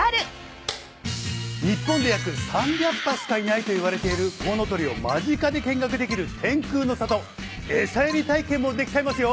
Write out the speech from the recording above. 日本で約３００羽しかいないといわれているコウノトリを間近で見学できる天空の里餌やり体験もできちゃいますよ。